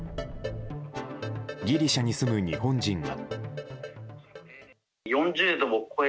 ギリシャに住む日本人は。